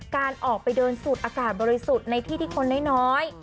การออกไปเดินสูดอากาศบริสุทธิ์ในที่ที่คนน้อย